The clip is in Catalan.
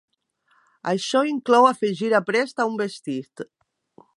Això inclou afegir aprest a un vestit.